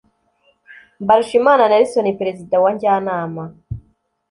Mbarushimana Nelson Perezida wa Njyanama